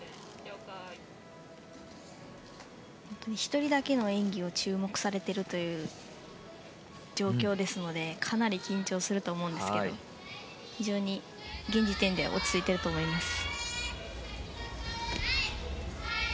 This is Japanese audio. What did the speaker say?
１人だけの演技を注目されているという状況なのでかなり緊張すると思いますが非常に現時点で落ち着いてると思います。